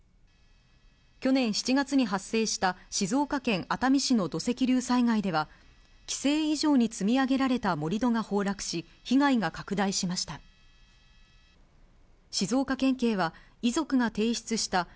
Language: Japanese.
去年７月に発生した静岡県熱海市の土石流災害では規制以上に積み上げられた盛り土が崩落し、被害が拡大しました。